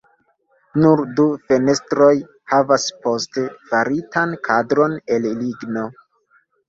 Nur du fenestroj havas poste faritan kadron el ligno.